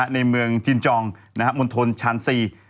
ในเมืองจินจองมณฑลชาญซี